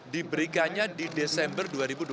diberikannya di desember dua ribu dua puluh